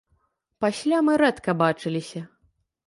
Пасля мы рэдка бачыліся.